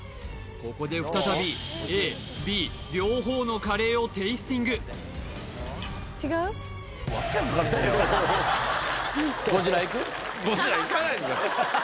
ここで再びＡＢ両方のカレーをテイスティングゴジラいかないですよ